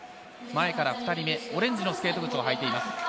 前から２人目オレンジのスケート靴を履いてます。